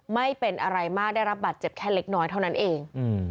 ไม่เป็นอะไรมากได้รับบาดเจ็บแค่เล็กน้อยเท่านั้นเอง